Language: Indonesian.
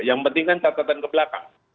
yang penting kan catatan ke belakang